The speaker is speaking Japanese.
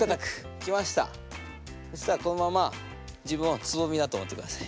そしたらこのまま自分をつぼみだと思ってください。